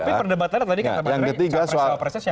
tapi perdebatannya tadi kata pak drei capres soal proses siapa